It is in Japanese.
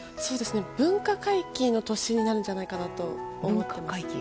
文化回帰の年になるんじゃないかと思っています。